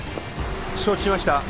承知しました。